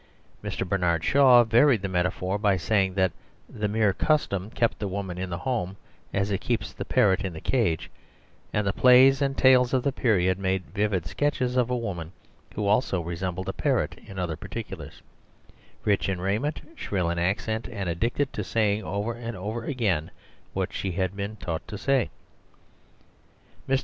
Mr. Bernard Shaw varied the metaphor by saying that mere custom kept the woman in the home as it keeps the parrot in the cage; and the plays and tales of the period made vivid sketches of a woman who also resem bled a parrot in other particulars, rich in rai ment, shrill in accent and addicted to saying over and over again what she had been taught The Superstition of Divorce 48 to say. Mr.